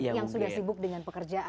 yang sudah sibuk dengan pekerjaan